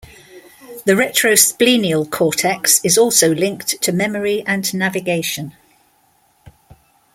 The retrosplenial cortex is also linked to memory and navigation.